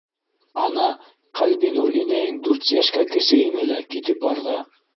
Ана Ҡәлбинур инәйең дүрт йәшкә кесе ине лә, китеп барҙы.